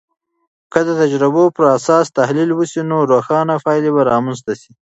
که د تجربو پراساس تحلیل وسي، نو روښانه پایلې به رامنځته سي.